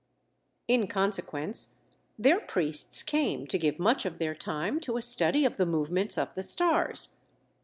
In consequence, their priests came to give much of their time to a study of the movements of the stars.